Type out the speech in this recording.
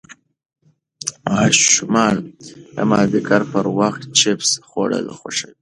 ماشومان د مازدیګر پر وخت چېپس خوړل خوښوي.